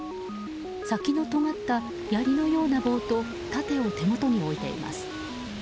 先のとがったやりのような棒と盾を手元に置いています。